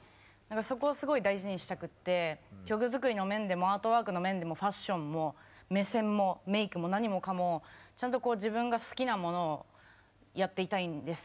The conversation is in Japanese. そこをすごい大事にしたくって曲作りの面でもアートワークの面でもファッションも目線もメークも何もかもちゃんとこう自分が好きなものをやっていたいんです。